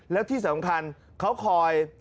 แล้วที่สำคัญเขาคอย